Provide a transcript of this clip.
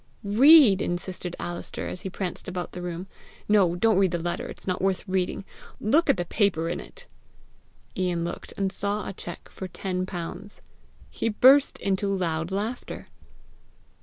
"READA," insisted Alister, as he pranced about the room. "No, don't read the letter; it's not worth, reading. Look at the paper in it." Ian looked, and saw a cheque for ten pounds. He burst into loud laughter.